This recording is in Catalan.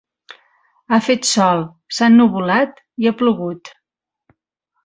Ha fet sol, s'ha ennuvolat i ha plogut.